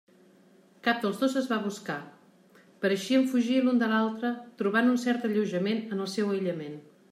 Cap dels dos es va buscar; pareixien fugir l'un de l'altre, trobant un cert alleujament en el seu aïllament.